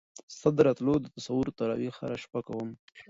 ستا د راتلو د تصور تراوېح هره شپه کړم